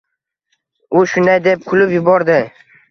— U shunday deb kulib yubordi.